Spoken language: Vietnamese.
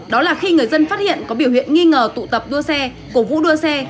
đó là khi người dân phát hiện có biểu hiện nghi ngờ tụ tập đua xe cổ vũ đua xe